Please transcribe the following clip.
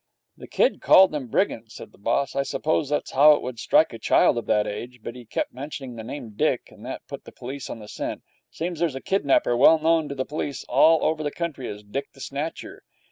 'The kid called them brigands,' said the boss. 'I suppose that's how it would strike a child of that age. But he kept mentioning the name Dick, and that put the police on the scent. It seems there's a kidnapper well known to the police all over the country as Dick the Snatcher.